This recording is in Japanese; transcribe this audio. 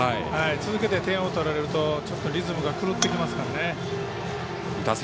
続けて点を取られるとリズムが狂ってきますからね。